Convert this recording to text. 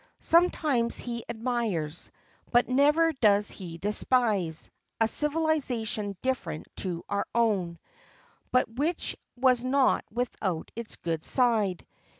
Sometimes he admires, but never does he despise, a civilisation different to our own, but which was not without its good side.